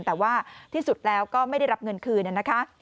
แต่ว่าที่สุดแล้วก็ไม่ได้รับเงินคืนนะคะ